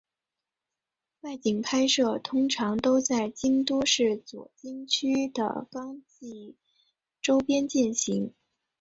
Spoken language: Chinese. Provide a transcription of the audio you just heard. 外景拍摄通常都在京都市左京区的冈崎周边进行。